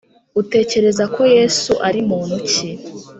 utekereza ko yesu ari muntu ki